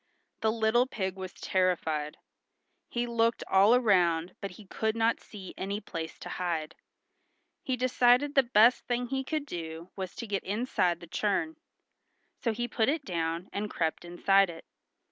The little pig was terrified. He looked all around but he could not see any place to hide. He decided the best thing he could do was to get inside the churn. So he put it down and crept inside it.